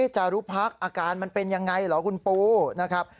จารุพักอาการมันเป็นยังไงเหรอคุณปูนะครับ